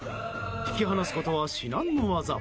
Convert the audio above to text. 引き離すことは至難の業。